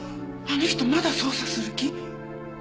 あの人まだ捜査する気？